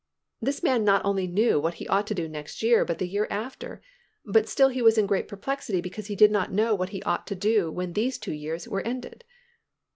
This man not only knew what he ought to do next year but the year after but still he was in great perplexity because he did not know what he ought to do when these two years were ended.